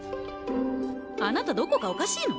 あなたどこかおかしいの？